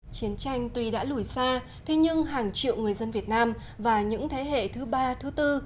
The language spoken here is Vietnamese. chiến tranh tuy đã lùi xa thế nhưng hàng triệu người dân việt nam và những thế hệ thứ ba thứ tư